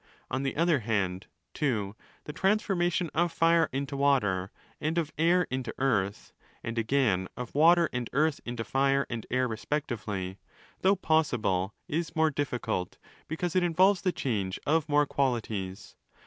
On the other hand (ii) the transformation of ᾿ Fire into Water and of Air into Earth, and again of Water and Earth into Fire and Air respectively, though possible, is more difficult because it involves the change of more qualities.